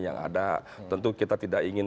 yang ada tentu kita tidak ingin